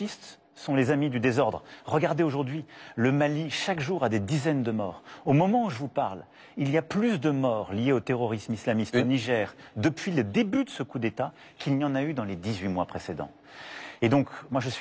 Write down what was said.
そうです。